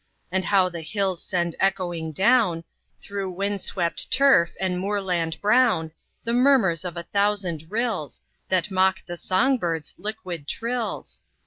And how the hills send echoing down, Through wind swept turf and moorland brown, The murmurs of a thousand rills That mock the song birds' liquid trills!